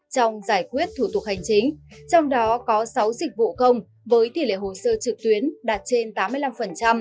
trong giải quyết thủ tục hành chính trong đó có sáu dịch vụ công với tỷ lệ hồ sơ trực tuyến đạt trên tám mươi năm